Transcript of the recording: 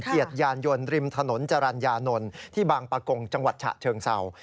เกียรติยานยนต์ริมถนนจรรยานนท์ที่บางปะกงจังหวัดฉะเชิงเศร้า